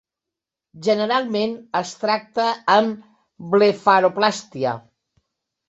Generalment es tracta amb blefaroplàstia.